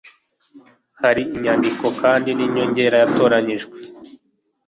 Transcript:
Hari imyandiko kandi y'inyongera yatoranyijwe,